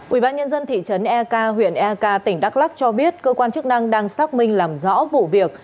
ubnd thị trấn eak huyện eka tỉnh đắk lắc cho biết cơ quan chức năng đang xác minh làm rõ vụ việc